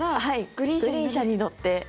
グリーン車に乗って。